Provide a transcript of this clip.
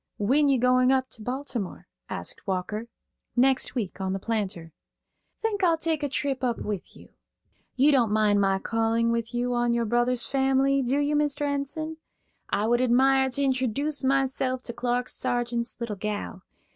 "When you going up to Baltimore?" asked Walker. "Next week, on 'The Planter.'" "Think I'll take a trip up with you. You don't mind my calling with you on your brother's family, do you, Mr. Enson? I would admire to introduce myself to Clark Sargeant's little gal.